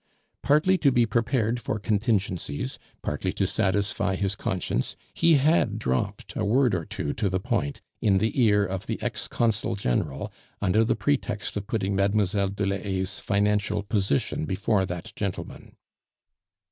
Partly to be prepared for contingencies, partly to satisfy his conscience, he had dropped a word or two to the point in the ear of the ex consul general, under the pretext of putting Mlle. de la Haye's financial position before that gentleman.